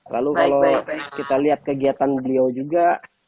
lalu kalau kita lihat kegiatan beliau juga